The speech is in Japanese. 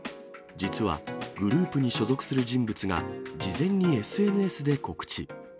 実はグループに所属する人物が、事前にＳＮＳで告知。